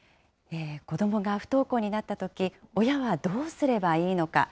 子どもが不登校になったとき、親はどうすればいいのか。